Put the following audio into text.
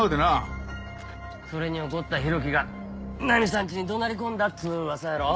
それに怒った浩喜がナミさんちに怒鳴り込んだっつう噂やろ。